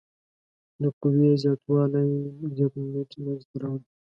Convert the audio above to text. د قوې زیات والی زیات مومنټ منځته راوړي.